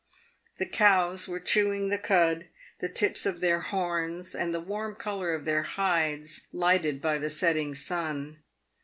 The cows were chewing the cud, the tips of their horns and the warm colour of their hides lighted by the setting sun.